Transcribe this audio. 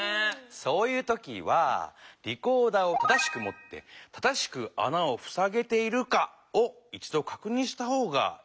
そういう時はリコーダーを正しくもって正しくあなをふさげているかを一どかくにんした方がいいんだよね。